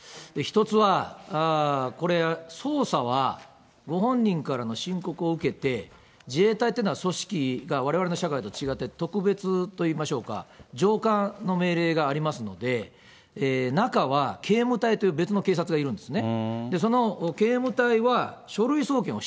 １つは、これ、捜査はご本人からの申告を受けて、自衛隊ってのは組織が、われわれの社会と違って、特別といいましょうか、上官の命令がありますので、中はけいむ隊という別の警察がいるんですね。